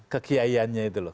kekiaiannya itu loh